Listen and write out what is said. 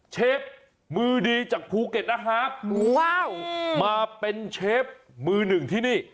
เชฟมือดีจากภูเก็ตนะครับมาเป็นเชฟมือหนึ่งที่นี่